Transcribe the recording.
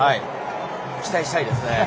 期待したいですね。